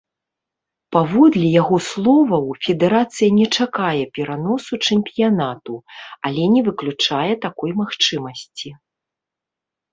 Паводле яго словаў, федэрацыя не чакае пераносу чэмпіянату, але не выключае такой магчымасці.